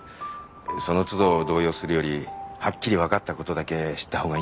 その都度動揺するよりはっきり分かったことだけ知った方がいいんじゃない？